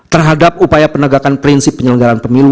terhadap upaya penegakan prinsip penyelenggaran pemilu